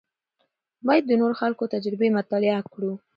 باید د نورو خلکو تجربې مطالعه کړو.